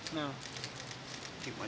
ini kalau bicara begini gimana